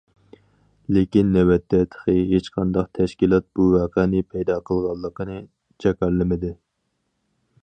لېكىن نۆۋەتتە تېخى ھېچقانداق تەشكىلات بۇ ۋەقەنى پەيدا قىلغانلىقىنى جاكارلىمىدى.